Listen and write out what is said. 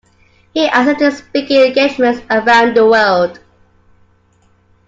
He accepted speaking engagements around the world.